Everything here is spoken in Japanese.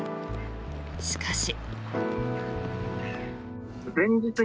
しかし。